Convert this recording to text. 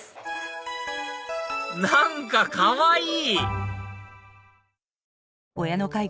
何かかわいい！